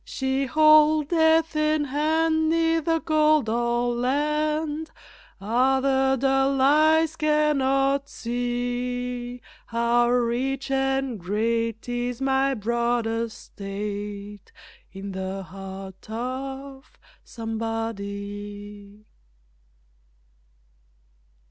She holdeth in hand neither gold or land Ah, the dull eyes cannot see How rich and great is my broad estate In the heart of somebody.